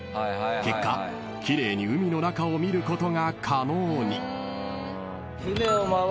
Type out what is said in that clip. ［結果奇麗に海の中を見ることが可能に］